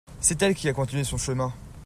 C'est qu'elle a continué son chemin.